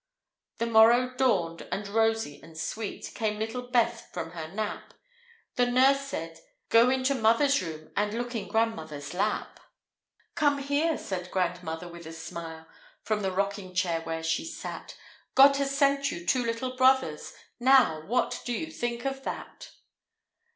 The morrow dawned, and rosy and sweet Came little Bess from her nap; The nurse said, "Go into mother's room, And look in grandmother's lap." "Come here," said grandmother, with a smile, From the rocking chair where she sat; "God has sent you two little brothers; Now what do you think of that?"